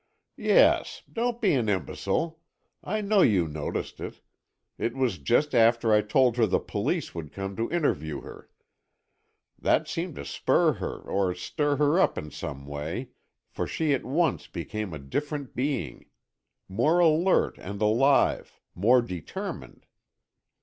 "Yes. Don't be an imbecile. I know you noticed it. It was just after I told her the police would come to interview her. That seemed to spur her or stir her up in some way, for she at once became a different being. More alert and alive, more determined."